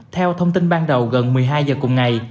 theo thông tin ban đầu gần một mươi hai giờ cùng ngày